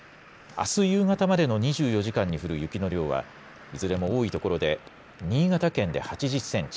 あす夕方までの２４時間に降る雪の量はいずれも多い所で新潟県で８０センチ